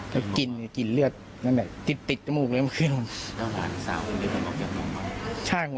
กลิ่นเป็นกลิ่นเลือดนั่นเนี่ยติบติดจมูกเลยเมื่อคืนห่วงหวานสาว